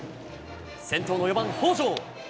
先頭の４番北条。